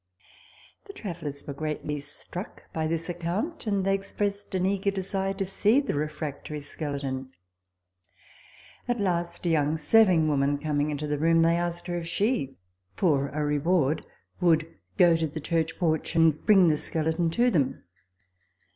The travellers were greatly struck by this account ; and they expressed an eager desire to see the refractory skeleton. At last, a young serving woman coming into the room, they asked her if she, for a reward, would go to the church porch and bring the skeleton to them.